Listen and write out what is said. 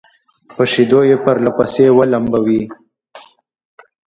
په شيدو يې پرله پسې ولمبوي